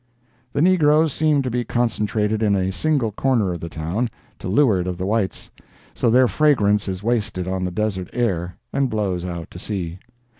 The negroes seemed to be concentrated in a single corner of the town, to leeward of the whites—so their fragrance is wasted on the desert air, and blows out to sea.